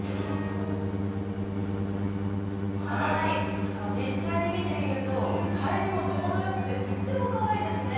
はい実際に見てみるとサイズもちょうどよくてとってもかわいいですね。